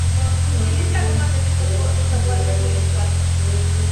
Utiliza gomas de picos cortos, lo cual no es muy usual.